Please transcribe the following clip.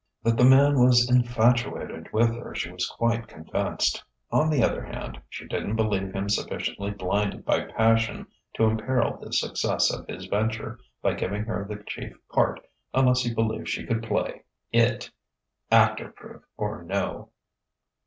That the man was infatuated with her she was quite convinced; on the other hand, she didn't believe him sufficiently blinded by passion to imperil the success of his venture by giving her the chief part unless he believed she could play it "actor proof" or no.